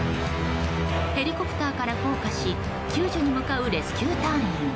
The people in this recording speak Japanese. ヘリコプターから降下し救助に向かうレスキュー隊員。